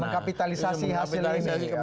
mengkapitalisasi hasil ini